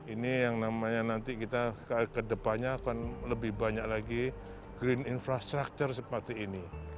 ini yang namanya nanti kita kedepannya akan lebih banyak lagi green infrastructure seperti ini